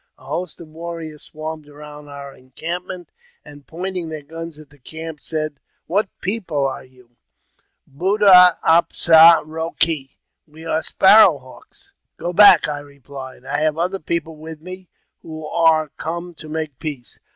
A host of warriors swarmed around our encampment, and pointing their guns at the camp, said, "What people are you? Bud da ap sa ro kee " (we are Sparrowhawks). " Go back," I replied; " I have other people with me, who are come to make peace."